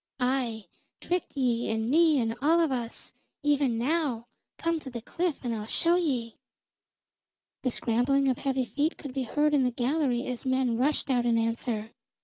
"Aye, tricked ye and me and all of us! Even now come to the cliff, and I'll show ye." The scrambling of heavy feet could be heard in the gallery as men rushed out in answer.